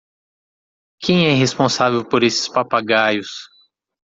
Quem é responsável por esses papagaios?